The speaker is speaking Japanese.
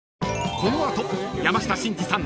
［この後山下真司さん